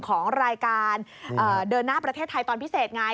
ของรายการเดินหน้าประเทศไทยตอนพิเศษไง